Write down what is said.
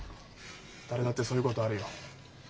誰だってそういうことあるよ。